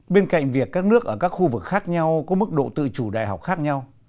bên cạnh việc các nước ở các khu vực khác nhau có mức độ tự chủ đại học khác nhau